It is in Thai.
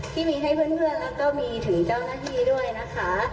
ที่มีให้เพื่อนแล้วก็มีถึงเจ้าหน้าที่ด้วยนะคะ